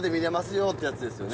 よってやつですよね。